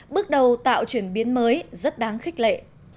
bước đầu tạo chuyển biến mới rất đáng khích lệ